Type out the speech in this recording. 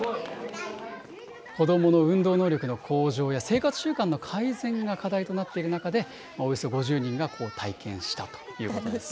子どもの運動能力の向上や生活習慣の改善が課題となっている中で、およそ５０人が体験したということなんですね。